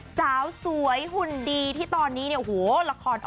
สาวสวยหุ่นดีที่ตอนนี้ละคร